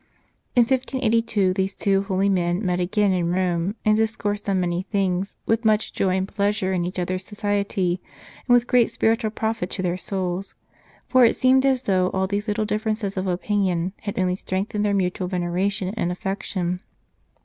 198 Passing Clouds In 1582 these two holy men met again in Rome and discoursed on many things, with much joy and pleasure in each other s society, and with great spiritual profit to their souls ; for it seemed as though all these little differences of opinion had only strengthened their mutual veneration and affection.